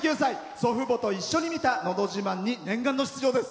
祖父母と一緒に見た「のど自慢」に念願の出場です。